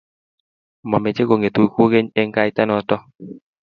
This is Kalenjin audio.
Mameche kung'etu kukeny eng' kaita noto